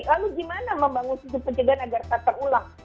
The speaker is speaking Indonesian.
lalu gimana membangun sistem pencegahan agar tak terulang